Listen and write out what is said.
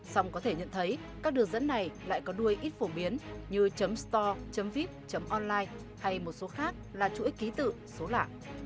xong có thể nhận thấy các đường dẫn này lại có đuôi ít phổ biến như store vip online hay một số khác là chuỗi ký tự số lạ